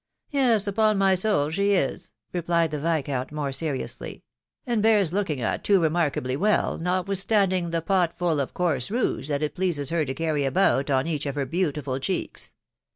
" Yes, upon my soul she is!" replied the viscount more seriously, " and bears looking at too remarkably well, notwith standing the pot full of coarse rouge that it pleases her to carry about on each of her beautiful cheeks."